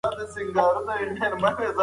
کله چې هغه ولسمشر شو نو ښار ته وووت.